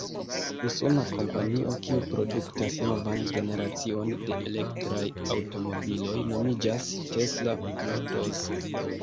Usona kompanio, kiu produktas novan generacion de elektraj aŭtomobiloj, nomiĝas Tesla Motors.